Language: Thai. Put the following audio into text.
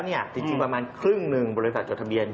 จริงประมาณครึ่งหนึ่งบริษัทจดทะเบียน